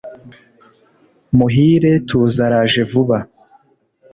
muhire tuza araje vuba